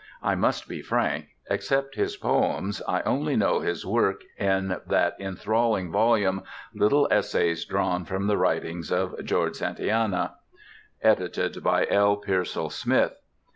I must be frank: except his poems, I only know his work in that enthralling volume, Little Essays Drawn from the Writings of George Santayana, edited by L. Pearsall Smith.